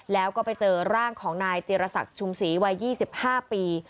แล้วก็ไปเจอร่างของนายจิรษักชุมศรีวัย๒๕ปี